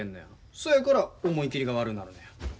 そやから思い切りが悪うなるのや。